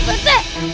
siap pak rt